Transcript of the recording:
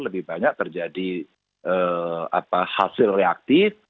lebih banyak terjadi hasil reaktif